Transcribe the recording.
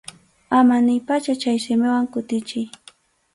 Ama niypacha chay simiwan kutichiy.